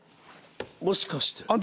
もしかして。